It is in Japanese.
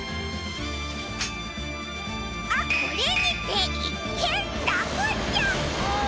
あっこれにていっけんらくちゃく！